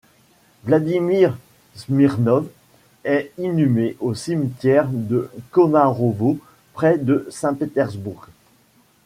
Vladimir Smirnov est inhumé au Cimetière de Komarovo près de Saint-Pétersbourg.